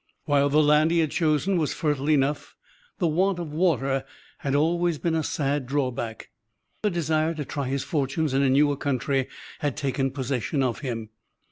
While the land he had chosen was fertile enough, the want of water had always been a sad drawback. The desire to try his fortunes in a newer country had taken possession of him.